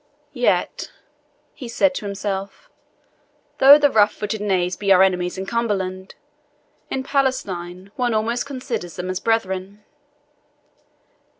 "Yet," as he said to himself, "though the rough footed knaves be our enemies in Cumberland, in Palestine one almost considers them as brethren."